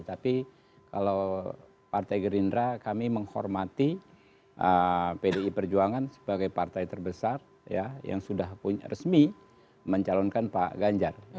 tapi kalau partai gerindra kami menghormati pdi perjuangan sebagai partai terbesar yang sudah resmi mencalonkan pak ganjar